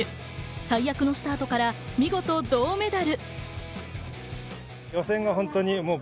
最悪のスタートから見事、銅メダル。